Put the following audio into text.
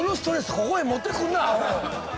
ここへ持ってくるなアホ。